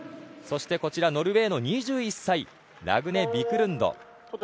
そしてこちらノルウェーの２１歳ラグネ・ビクルンド。